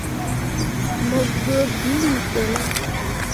Mo gbǝ ɓilli ɓe ne ?